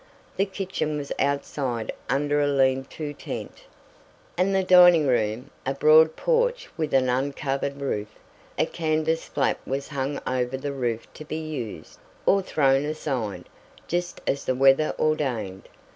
The kitchen was outside under a lean to tent. And the dining room! A broad porch with an uncovered roof. A canvas flap was hung over the roof to be used, or thrown aside, just as the weather ordained.